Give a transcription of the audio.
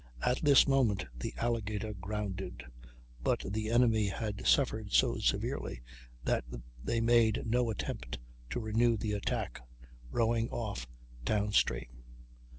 At this moment the Alligator grounded, but the enemy had suffered so severely that they made no attempt to renew the attack, rowing off down stream.